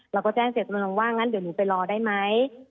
เราก็แจ้งเสร็จลุงว่างั้นเดี๋ยวหนูไปรอได้ไหม